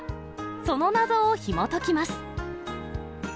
その謎をひもときます。